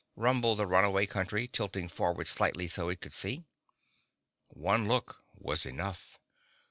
rumbled the Runaway Country, tilting forward slightly so it could see. One look was enough.